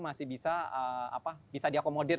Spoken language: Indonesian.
masih bisa diakomodir